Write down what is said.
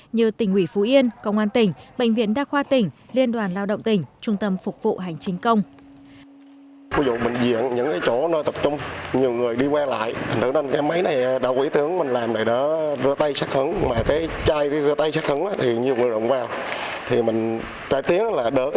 như tỉnh ủy phú yên công an tỉnh bệnh viện đa khoa tỉnh liên đoàn lao động tỉnh trung tâm phục vụ hành chính công